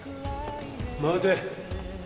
待て。